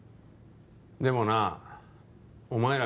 でもなお前ら